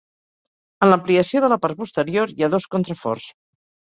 En l'ampliació de la part posterior hi ha dos contraforts.